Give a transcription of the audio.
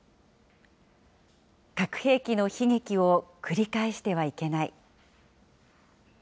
核兵器の悲劇を繰り返してはいけない。